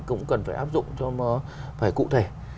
cũng cần phải áp dụng cho phải cụ thể